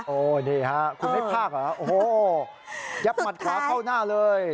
โอ๋นี่ค่ะคุณไม่พากย์หรอโอ้โหยับหมัดขวาเข้าหน้าเลย